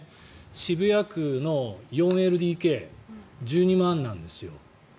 渋谷区の４ＬＤＫ１２万なんですよ。